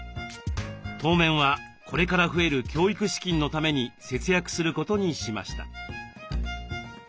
当面はこれから増える教育資金のために節約することにしました。